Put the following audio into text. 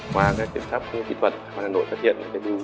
hòa kiểm soát kỹ thuật hà nội xuất hiện